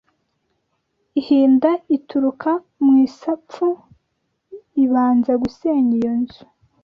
Ihinda ituruka mu isapfu ibanza gusenya iyo nzu